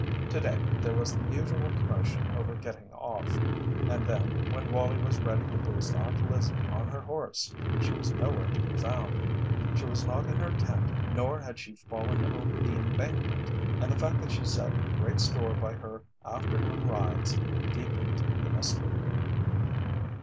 To day there was the usual commotion over getting off, and then when Wallie was ready to boost Aunt Lizzie on her horse she was nowhere to be found. She was not in her tent, nor had she fallen over the embankment, and the fact that she set great store by her afternoon rides deepened the mystery.